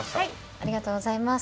ありがとうございます。